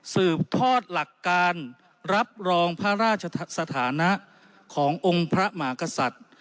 สืบทอดหลักการรับรองพระราชสถานะขององค์พระมากษัตริย์